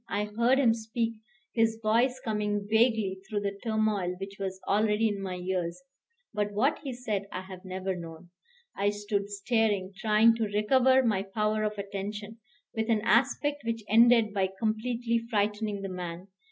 I heard him speak, his voice coming vaguely through the turmoil which was already in my ears, but what he said I have never known. I stood staring, trying to recover my power of attention, with an aspect which ended by completely frightening the man.